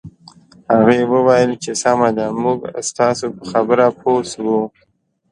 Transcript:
هغې وویل چې سمه ده موږ ستاسو په خبره پوه شوو